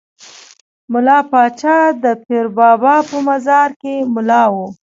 ملا پاچا د پیر بابا په مزار کې ملا وو.